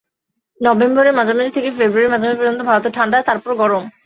নভেম্বরের মাঝামাঝি থেকে ফেব্রুআরীর মাঝামাঝি পর্যন্ত ভারতে ঠাণ্ডা, তারপরে গরম।